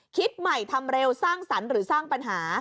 คิดใหม่ทำเร็วสร้างสรรค์หรือสร้างปัญหา